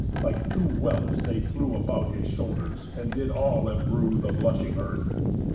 Like two whelps they flew About his shoulders, and did all embrue The blushing earth.